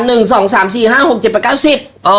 หนึ่งสองสามสี่ห้าหกเจ็ดประเก้าสิบอ๋อ